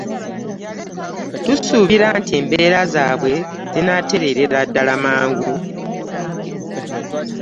Tusuubira nti embeera zaabwe zinaatereerera ddala mangu